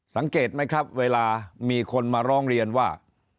สังเกตไหมครับเวลามีคนมาร้องเรียนว่า